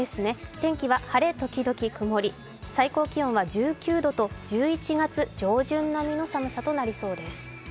天気は晴れ時々曇り、最高気温は１９度と１１月上旬並みの寒さとなりそうです。